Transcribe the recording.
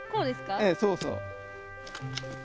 ええそうそう。